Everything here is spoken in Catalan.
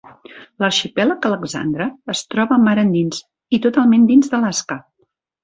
L'arxipèlag Alexandre es troba mar endins i totalment dins d'Alaska.